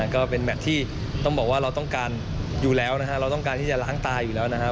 ก็เป็นแมทที่ต้องบอกว่าเราต้องการอยู่แล้วนะฮะเราต้องการที่จะล้างตาอยู่แล้วนะครับ